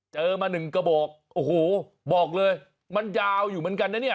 มาหนึ่งกระบอกโอ้โหบอกเลยมันยาวอยู่เหมือนกันนะเนี่ย